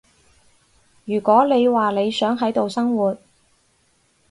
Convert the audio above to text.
如果你話你想喺度生活